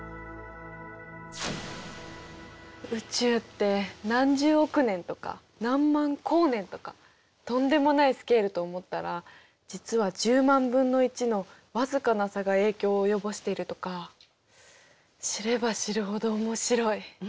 宇宙って何十億年とか何万光年とかとんでもないスケールと思ったら実は１０万分の１のわずかな差が影響を及ぼしているとか知れば知るほど面白い。